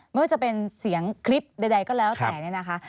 ไม่ว่าจะเป็นเสียงคลิปใดก็แล้วแต่เนี่ยนะคะ